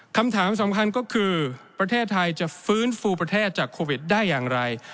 คำถามสำคัญก็คือประเทศไทยจะฟื้นฟูประเทศจากโควิดได้อย่างไร